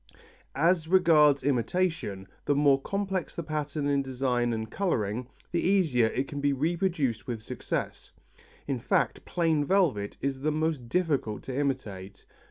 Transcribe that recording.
As regards imitation, the more complex the pattern in design and colouring, the easier it can be reproduced with success. In fact plain velvet is the most difficult to imitate.